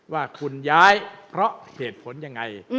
ว่าคุณย้ายเพราะเหตุผลยังไง